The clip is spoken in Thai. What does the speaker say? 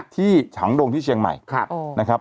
ที่ถังโรงที่เชียงใหม่นะครับ